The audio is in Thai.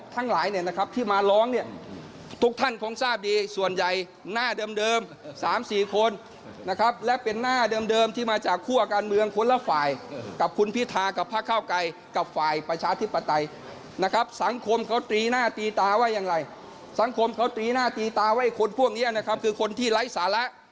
ตีหน้าตีตาไว้คนพวกนี้นะครับคือคนที่ไร้สาระ